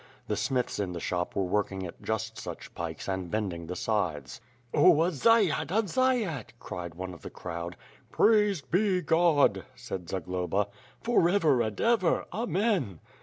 The smiths in the shop were working at just such pikes and bending the scythes. "Oh a Dziad! a dziad!" cried one of the crowd. "Praised be God," said Zagloba. "For ever and ever. Amen."